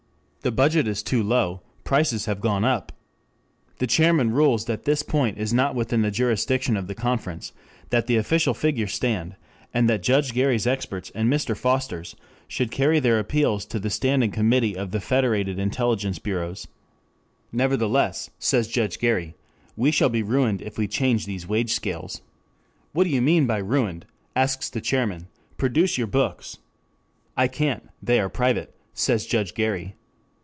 The budget is too low, prices have gone up. The chairman rules that this point is not within the jurisdiction of the conference, that the official figures stand, and that Judge Gary's experts and Mr. Foster's should carry their appeals to the standing committee of the federated intelligence bureaus. Nevertheless, says Judge Gary, we shall be ruined if we change these wage scales. What do you mean by ruined, asks the chairman, produce your books. I can't, they are private, says Judge Gary.